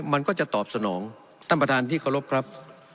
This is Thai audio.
มันก็จะตอบสนองท่านประธานที่เคารพครับ